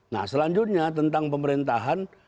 nah selanjutnya tentang pemerintahan